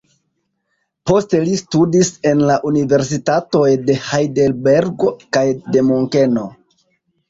Poste li studis en la Universitatoj de Hajdelbergo kaj de Munkeno.